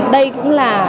đây cũng là